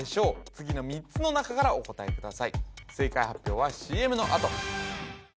次の３つの中からお答えください